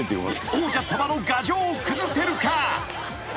［王者鳥羽の牙城を崩せるか？］